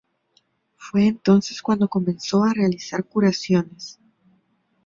Fue entonces cuando comenzó a realizar curaciones.